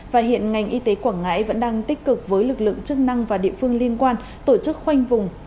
và hiện ngành y tế quảng ngãi vẫn đang tích cực với lực lượng chức năng và địa phương liên quan tổ chức khoanh vùng